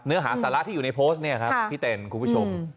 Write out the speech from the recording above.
หาสาระที่อยู่ในโพสต์เนี่ยครับพี่เต้นคุณผู้ชม